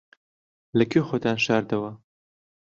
لەکوێ خۆتان شاردەوە؟